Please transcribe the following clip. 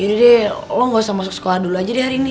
deh lo gak usah masuk sekolah dulu aja deh hari ini